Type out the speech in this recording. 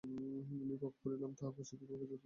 আমি পাপ করিলাম, তাহার প্রায়শ্চিত্ত তোমাকে করিতে হইবে?